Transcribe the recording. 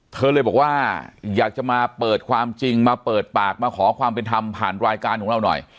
เธอเลยบอกว่าอยากจะมาเปิดความจริงมาเปิดปากมาขอความเป็นธรรมผ่านรายการของเราหน่อย